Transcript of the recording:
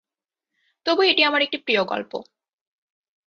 তবু এটি আমার একটি প্রিয় গল্প।